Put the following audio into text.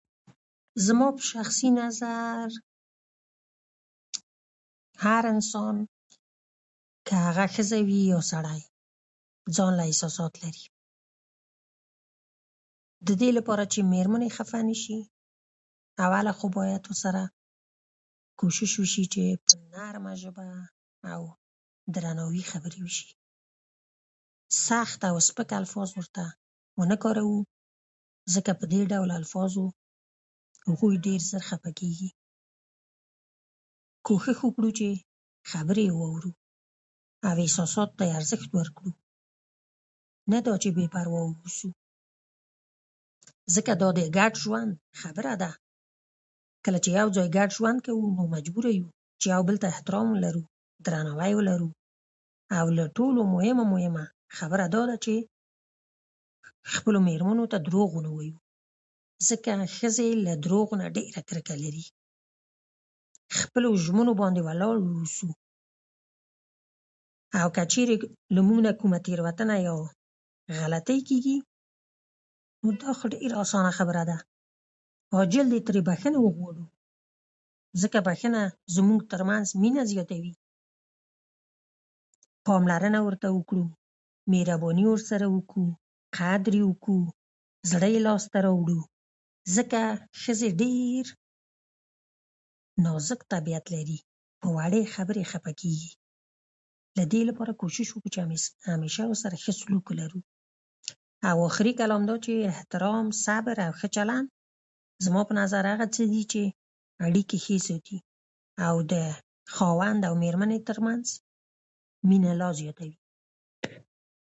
زما په شخصي نظر هر انسان که هغه ښځه وي يا سړی ځانله احساسات لري د دې لپاره چې مېرمن يې خفه نه شي اوله خو بايد ورسره کوشش وشي چې په نرمه ژبه او درناوي خبرې وشي سخت او سپک الفاظ ورته ونه کاروو ځکه په دې ډول الفاظو هغوی ډير ژر خفه کېږي کوښښ وکړو چې خبرې یې واورو او احساساتو ته یې ارزښت ورکړو نه دا چې بې پروا واوسو ځکه دا د گډ ژوند خبره ده کله چې یو ځای گډ ژوند کوو نو مجبوره یو چې یو بل ته احترام ولرو، درناوی ولرو او له ټولو مهمه مهمه خبره داده چې خپلو مېرمنو ته دروغ ونه وایو ځکه ښځې له دروغو نه ډېره کرکه لري خپلو ژمنو باندې ولاړ و اوسو او که چېرې له موږ نه کومه تېروتنه يا غلطۍ کېږي نو دا خو ډيره اسانه خبره ده عاجل دې ترينه بخښنه وغواړو ځکه بخښنه زموږ ترمنځ مینه زیاتوي، پاملرنه ورته وکړو، مهرباني ورسره وکړو، قدر یې وکړو، زړه یې لاسته راوړو ځکه ښځې ډېر نازک طبیعت لري په وړې خبرې خفه کېږي ددې لپاره کوشش وکړو چې همېشه ورسره ښه سلوک ولرو او اخري کلام دا چې احترام صبر او ښه چلند زما په نظر هغه څه دي چې اړیکې ښې ساتي او د خاوند او میرمنې تر منځ مينه لا زياتوي